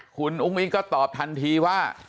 คุณอุ้งอิงก็ตอบทันทีว่า